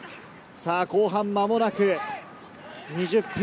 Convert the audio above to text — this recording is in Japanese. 後半、間もなく２０分。